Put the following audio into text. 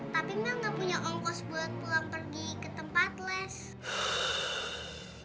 tapi mel gak punya ongkos buat pulang pergi ke tempat les